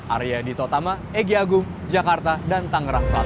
area di totama egiagung jakarta dan tangerang selatan